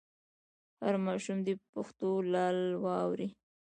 هر ماشوم دې په پښتو لالا واوري.